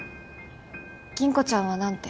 吟子ちゃんは何て？